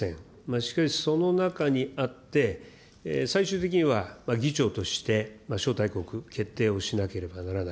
しかし、その中にあって、最終的には議長として招待国、決定をしなければならない。